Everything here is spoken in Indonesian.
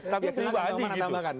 tapi seribu adik gitu